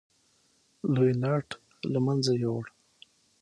لوی لاټ له منځه یووړ.